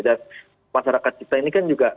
dan masyarakat kita ini kan juga